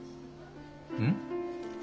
うん？